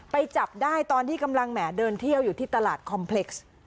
จับได้ตอนที่กำลังแหมเดินเที่ยวอยู่ที่ตลาดคอมเพล็กซ์